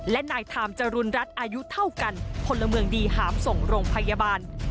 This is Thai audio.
และนายทามจรุณรัฐอายุเท่ากันพลเมืองดีหามส่งโรงพยาบาล